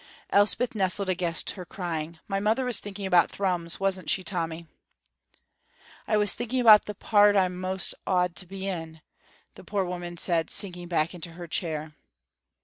Elspeth nestled against her, crying, "My mother was thinking about Thrums, wasn't she, Tommy?" "I was thinking about the part o't I'm most awid to be in," the poor woman said, sinking back into her chair.